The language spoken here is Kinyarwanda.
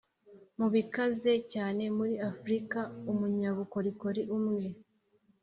mu bikaze cyane muri Afurika. Umunyabukorikori umwe